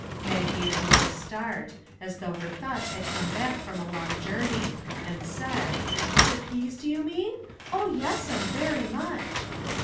Mag gave a little start, as though her thoughts had come back from a long journey, and said: "The peas, do you mean? Oh, yes'm very much."